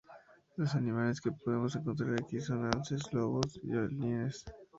Los animales que podemos encontrar aquí son: alces, los lobos, y los linces.